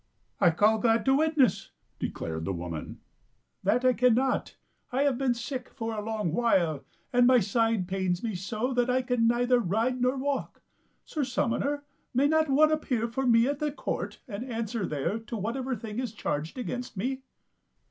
" I call God to witness," declared the woman, " that I cannot. I have been sick for a long while, and my side pains me so that I can neither ride nor walk. Sir summoner, may not one appear for me at the court and answer there to whatever thing is charged against me?"